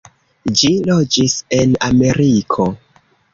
Ĝi loĝis en Ameriko.